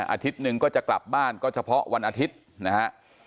อาทิตย์หนึ่งก็จะกลับบ้านก็เฉพาะวันอาทิตย์นะฮะ